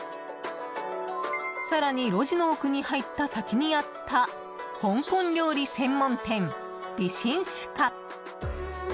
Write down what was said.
更に路地の奥に入った先にあった香港料理専門店、美心酒家。